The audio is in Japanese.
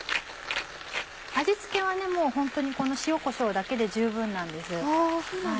味付けはもうホントにこの塩こしょうだけで十分なんです。